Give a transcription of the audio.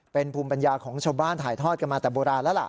เป็นภูมิปัญญาของชาวบ้านถ่ายทอดกันมาแต่โบราณแล้วล่ะ